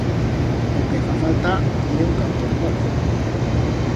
O que fa falta ye un campo de golf.